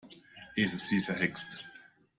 Es ist wie verhext.